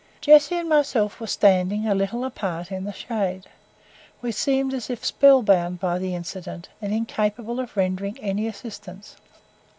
Jessie and myself were standing a little apart in the shade; we seemed as if spell bound by the incident, and incapable of rendering any assistance.